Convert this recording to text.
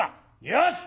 よし！